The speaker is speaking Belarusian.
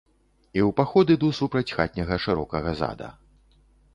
І ў паход іду супраць хатняга шырокага зада.